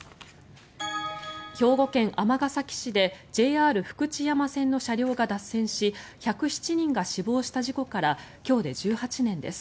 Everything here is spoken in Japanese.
兵庫県尼崎市でＪＲ福知山線の車両が脱線し１０７人が死亡した事故から今日で１８年です。